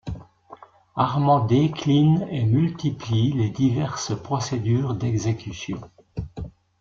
Arman décline et multiplie les diverses procédures d'exécution.